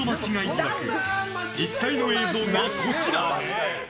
疑惑実際の映像が、こちら。